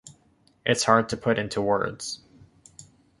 It's hard to put into words.